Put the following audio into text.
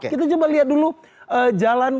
kita coba lihat dulu jalan